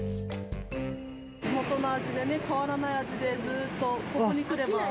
地元の味でね、変わらない味でずっとここに来れば。